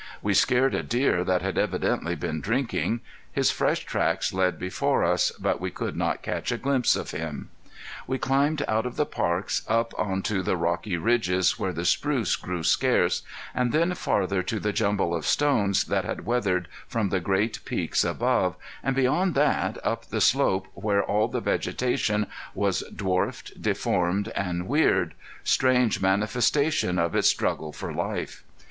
We scared a deer that had evidently been drinking. His fresh tracks led before us, but we could not catch a glimpse of him. [Illustration: THE TROUBLESOME COUNTRY, NOTED FOR GRIZZLY BEARS] We climbed out of the parks, up onto the rocky ridges where the spruce grew scarce, and then farther to the jumble of stones that had weathered from the great peaks above, and beyond that up the slope where all the vegetation was dwarfed, deformed, and weird, strange manifestation of its struggle for life.